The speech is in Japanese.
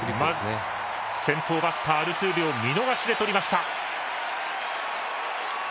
先頭バッターアルトゥーベを見逃しで取りました。